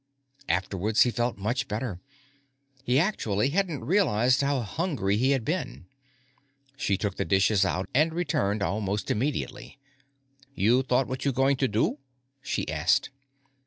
Afterwards, he felt much better. He actually hadn't realized how hungry he had been. She took the dishes out and returned almost immediately. "You thought what you going to do?" she asked.